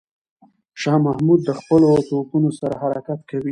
شاه محمود د خپلو توپونو سره حرکت کوي.